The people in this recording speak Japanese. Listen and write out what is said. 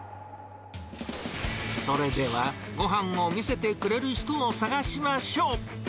それでは、ごはんを見せてくれる人を探しましょう。